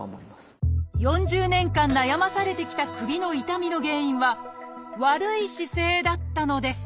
４０年間悩まされてきた首の痛みの原因は悪い姿勢だったのです。